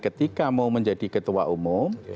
ketika mau menjadi ketua umum